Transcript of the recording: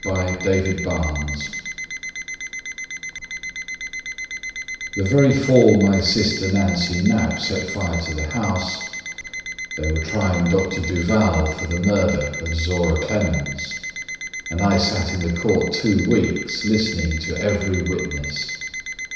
Barry Holden The very fall my sister Nancy Knapp Set fire to the house They were trying Dr. Duval For the murder of Zora Clemens, And I sat in the court two weeks Listening to every witness.